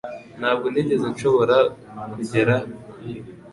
Ntabwo nigeze nshobora kugera kuri